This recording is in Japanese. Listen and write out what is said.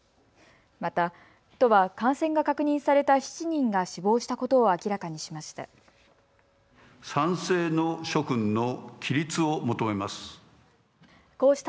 また都は感染が確認された７人が死亡したことを明らかにしました。